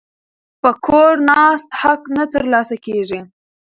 په کور ناست حق نه ترلاسه کیږي.